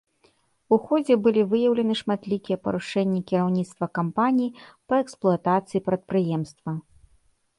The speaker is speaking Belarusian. У ходзе былі выяўлены шматлікія парушэнні кіраўніцтва кампаніі па эксплуатацыі прадпрыемства.